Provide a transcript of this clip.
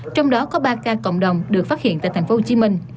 trong đó có ba ca cộng đồng được phát hiện tại tp hcm